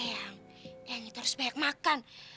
eyang eyang itu harus banyak makan